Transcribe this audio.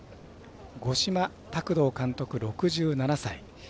五島卓道監督、６７歳。